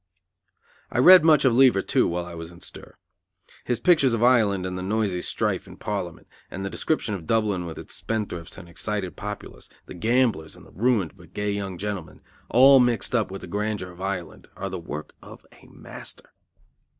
I read much of Lever, too, while I was in stir. His pictures of Ireland and of the noisy strife in Parliament, the description of Dublin with its spendthrifts and excited populace, the gamblers and the ruined but gay young gentlemen, all mixed up with the grandeur of Ireland, are the work of a master.